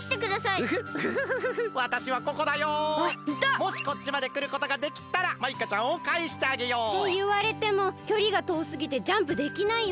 もしこっちまでくることができたらマイカちゃんをかえしてあげよう。っていわれてもきょりがとおすぎてジャンプできないよね？